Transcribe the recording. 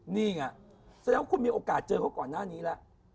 นี่ไงแสดงว่าคุณมีโอกาสเจอเขาก่อนหน้านี้แล้ว